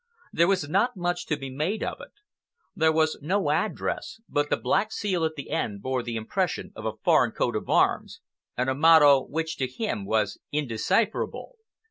There was not much to be made of it. There was no address, but the black seal at the end bore the impression of a foreign coat of arms, and a motto which to him was indecipherable.